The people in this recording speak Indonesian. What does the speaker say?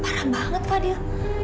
parah banget fadl